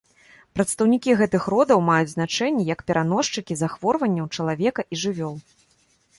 Прадстаўнікі гэтых родаў маюць значэнне як пераносчыкі захворванняў чалавека і жывёл.